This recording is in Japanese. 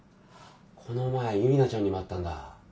この前ユリナちゃんにも会ったんだ。